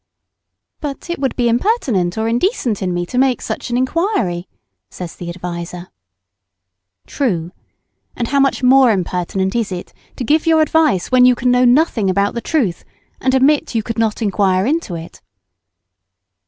"But it would be impertinent or indecent in me to make such an inquiry," says the adviser. True; and how much more impertinent is it to give your advice when you can know nothing about the truth, and admit you could not inquire into it.